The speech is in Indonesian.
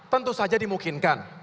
tentu saja dimungkinkan